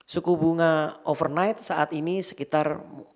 suku bunga overnight saat ini sekitar empat delapan empat sembilan